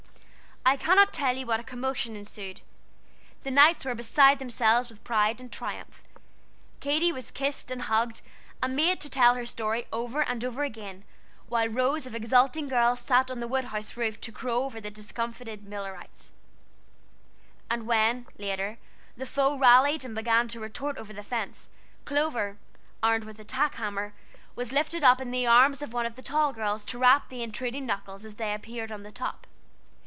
I cannot tell you what a commotion ensued. The Knights were beside themselves with pride and triumph. Katy was kissed and hugged, and made to tell her story over and over again, while rows of exulting girls sat on the wood house roof to crow over the discomfited Millerites: and when, later, the foe rallied and began to retort over the fence, Clover, armed with a tack hammer, was lifted up in the arms of one of the tall girls to rap the intruding knuckles as they appeared on the top.